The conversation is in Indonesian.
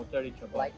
terima kasih banyak